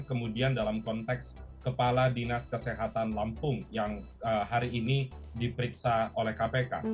kemudian dalam konteks kepala dinas kesehatan lampung yang hari ini diperiksa oleh kpk